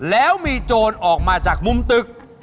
แล้วมีโจรออกมาจากมุมตึก